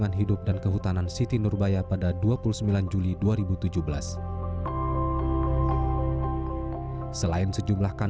kandang jebak berisi umpan kambing disiapkan